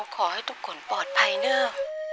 ขอให้ทุกคนปลอดภัยเนอะ